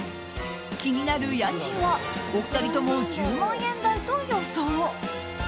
気になる家賃はお二人とも１０万円台と予想。